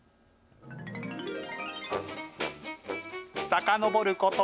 さかのぼること